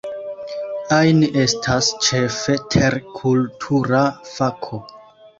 Ain estas, ĉefe, terkultura fako.